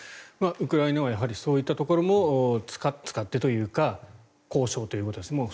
ウクライナはそういったところも使ってというか交渉ということですね。